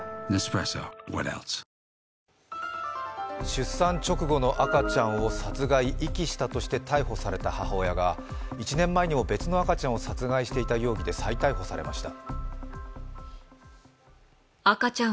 出産直後の赤ちゃんを殺害・遺棄したとして逮捕された母親が１年前にも別の赤ちゃんを殺害した容疑で再逮捕されました。